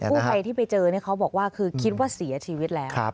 ผู้ภัยที่ไปเจอเขาบอกว่าคือคิดว่าเสียชีวิตแล้ว